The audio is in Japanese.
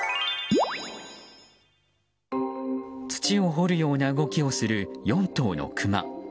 土を掘るような動きをする４頭のクマ。